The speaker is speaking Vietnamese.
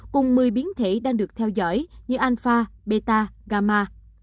cùng một mươi biến thể đang được theo dõi như alpha beta gamma